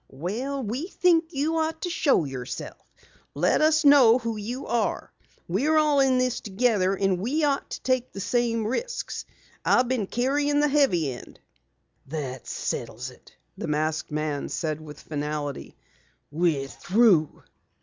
"Well, we think you ought to show yourself let us know who you are. We're all in this together, and we ought to take the same risks. I've been carrying the heavy end." "That settles it!" the masked man said with finality. "We're through."